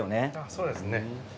そうですね